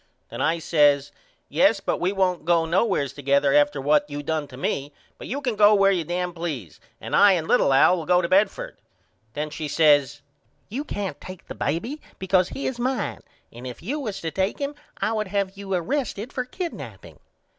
Then I says Yes but we won't go nowheres together after what you done to me but you can go where you dam please and I and little Al will go to Bedford. Then she says You can't take the baby because he is mine and if you was to take him I would have you arrested for kidnaping.